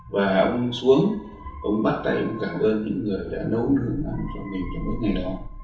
và ông xuống ông bắt tay ông cảm ơn những người đã nấu hương mặn cho mình trong mức ngày đó